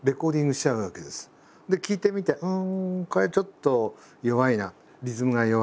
聴いてみてこれちょっと弱いなリズムが弱いな。